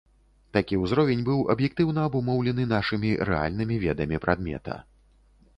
Такі ўзровень быў аб'ектыўна абумоўлены нашымі рэальнымі ведамі прадмета.